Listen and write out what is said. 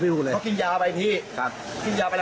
พูดเองเขากินยาไว้พี่แล้วเขาเบลอ